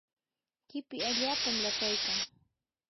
qipi allaapam lasaykan.